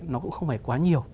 nó cũng không phải quá nhiều